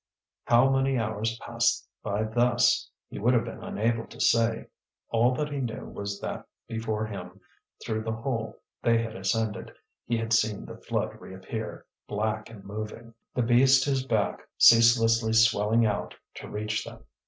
How many hours passed by thus? He would have been unable to say. All that he knew was that before him, through the hole they had ascended, he had seen the flood reappear, black and moving, the beast whose back was ceaselessly swelling out to reach them.